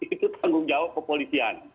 itu tanggung jawab kepolisian